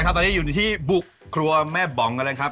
นะครับตอนนี้อยู่ที่บุกครัวแม่บองกันครับ